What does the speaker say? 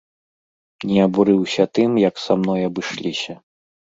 Не абурыўся тым, як са мной абышліся.